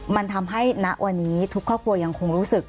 มันทำให้ณวันนี้ทุกครอบครัวยังคงรู้สึก